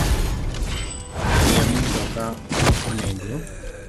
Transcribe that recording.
Jariemb mtoka onego